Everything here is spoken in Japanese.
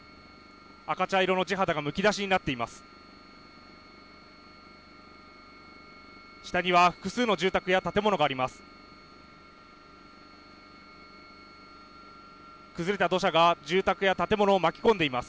赤茶色の地肌がむき出しになっています。